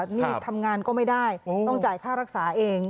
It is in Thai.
หนี้ทำงานก็ไม่ได้ต้องจ่ายค่ารักษาเอง